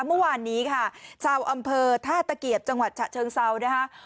เมื่อวานนี้ค่ะชาวอำเภอท่าตะเกียบจังหวัดฉะเชิงเซานะคะ